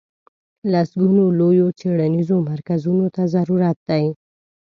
لسګونو لویو څېړنیزو مرکزونو ته ضرورت دی.